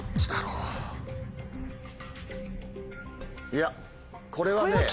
いやこれはね。